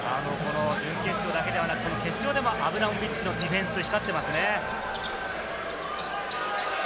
準決勝だけではなく決勝でもアブラモビッチのディフェンス、光ってますね。